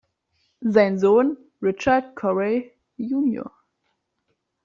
Sein Sohn Richard Coray jun.